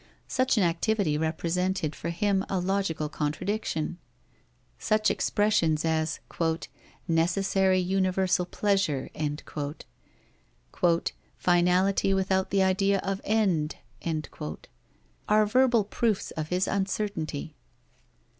Such an activity represented for him a logical contradiction. Such expressions as "necessary universal pleasure," "finality without the idea of end," are verbal proofs of his uncertainty.